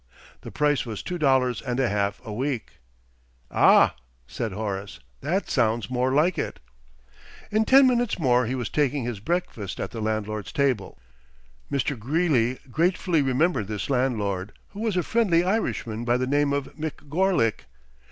The price was two dollars and a half a week. "Ah!" said Horace, "that sounds more like it." In ten minutes more he was taking his breakfast at the landlord's table. Mr. Greeley gratefully remembered this landlord, who was a friendly Irishman by the name of McGorlick.